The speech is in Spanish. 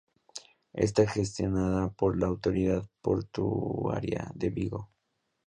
Está gestionada por la Autoridad Portuaria de Vigo.